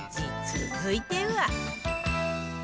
続いては